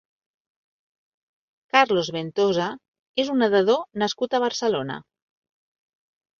Carlos Ventosa és un nedador nascut a Barcelona.